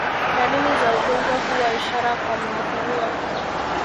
Dalili za ugonjwa huwa ishara kwa muathiriwa